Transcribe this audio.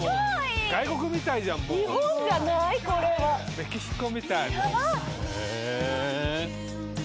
メキシコみたい。